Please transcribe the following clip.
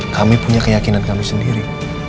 kami punya keyakinan kami sendiri